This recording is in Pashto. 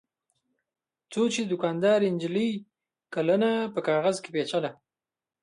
څو چې دوکاندارې نجلۍ کلنه په کاغذ کې پېچله.